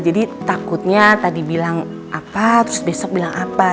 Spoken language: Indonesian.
jadi takutnya tadi bilang apa terus besok bilang apa